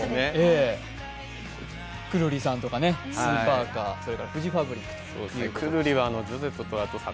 くるりさんとかスーパーカー、フジファブリックとか。